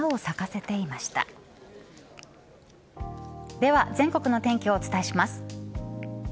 では全国の天気をお伝えします。